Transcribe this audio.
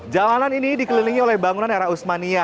jalanan ini dikelilingi oleh bangunan era usmania